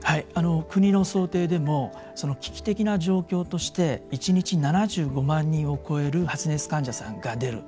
国の想定でも危機的な状況として１日７５万人を超える発熱患者さんが出る。